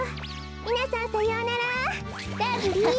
みなさんさようならラブリー。